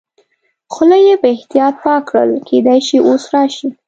خوله یې په احتیاط پاکه کړل، کېدای شي اوس راشي.